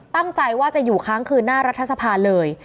ตั้งใจว่าจะอยู่ค้างคืนหน้ารัฐสภาเลย